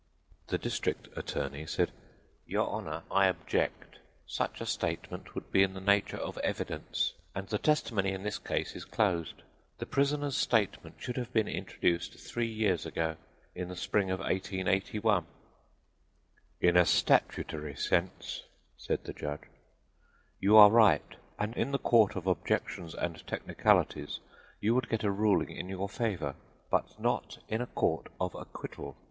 The district attorney said: "Your Honor, I object. Such a statement would be in the nature of evidence, and the testimony in this case is closed. The prisoner's statement should have been introduced three years ago, in the spring of 1881." "In a statutory sense," said the judge, "you are right, and in the Court of Objections and Technicalities you would get a ruling in your favor. But not in a Court of Acquittal.